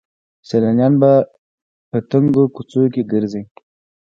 سیلانیان په تنګو کوڅو کې ګرځي.